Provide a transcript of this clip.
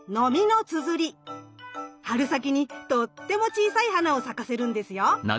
春先にとっても小さい花を咲かせるんですよ。